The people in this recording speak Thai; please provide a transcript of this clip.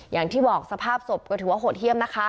อย่างที่บอกสภาพศพก็ถือว่าโหดเยี่ยมนะคะ